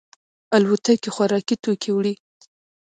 الوتکې خوراکي توکي وړي.